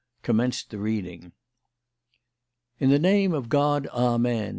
commenced the reading. "In the name of God Amen.